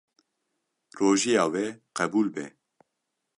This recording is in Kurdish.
Rojiya we qebûl be.